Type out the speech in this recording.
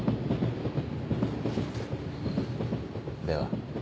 では。